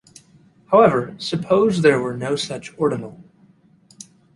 However, suppose there were no such ordinal.